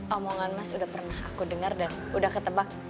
omongan mas udah pernah aku dengar dan udah ketebak